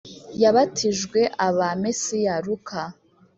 yabatijwe aba Mesiya Luka